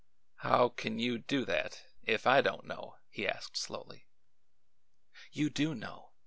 "How can you do that if I don't know?" he asked slowly. "You do know.